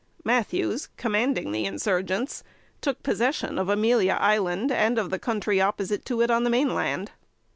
Mathews, commanding the insurgents, took possession of Amelia Island, and of the country opposite to it on the main land.